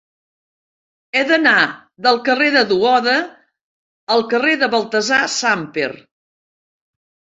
He d'anar del carrer de Duoda al carrer de Baltasar Samper.